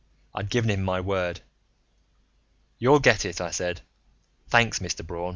I'd given him my word. "You'll get it," I said. "Thanks, Mr. Braun."